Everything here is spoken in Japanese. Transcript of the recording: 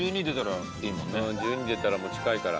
うん１２出たらもう近いから。